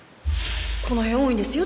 この辺多いんですよ